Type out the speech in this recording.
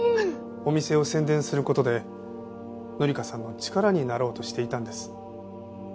お店を宣伝する事で紀香さんの力になろうとしていたんです。